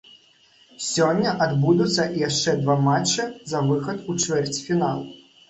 Сёння адбудуцца яшчэ два матчы за выхад у чвэрцьфінал.